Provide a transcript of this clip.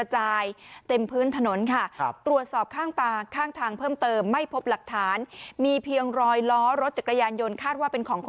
เหมือนมีแล้ว